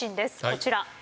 こちら。